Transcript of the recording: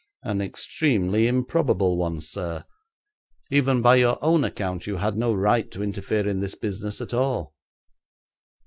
'An extremely improbable one, sir. Even by your own account you had no right to interfere in this business at all.'